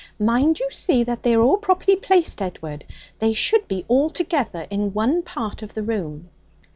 'Mind you see that they are all properly placed, Edward; they should be all together in one part of the room.'